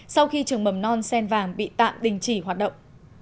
sau khi trường mầm non sen vàng bị tạm đình chỉ hoạt động